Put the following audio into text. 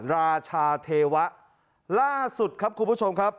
ราชาเทวะล่าสุดครับคุณผู้ชมครับ